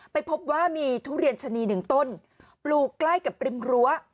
พบว่ามีทุเรียนชะนีหนึ่งต้นปลูกใกล้กับริมรั้ว